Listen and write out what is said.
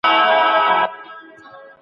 اقتصادي همکاري د برياليتوب لار ده.